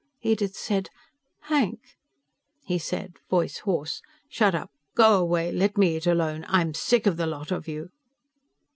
Edith said, "Hank!" He said, voice hoarse, "Shut up. Go away. Let me eat alone. I'm sick of the lot of you."